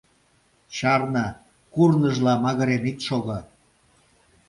Чарне, курныжла магырен ит шого!